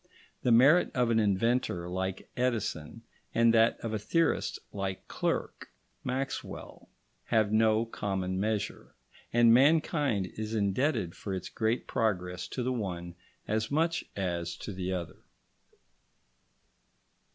The merit of an inventor like Edison and that of a theorist like Clerk Maxwell have no common measure, and mankind is indebted for its great progress to the one as much as to the other.